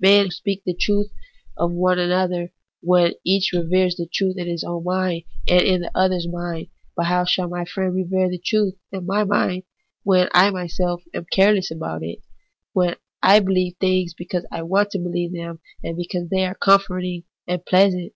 Men speak the truth to one another when each reveres the truth in his own mind and in the other's mind ; but how shall my friend revere the truth in my mind when I myself am careless about it, when I believe things because I want to believe them, and because they are comforting and pleasant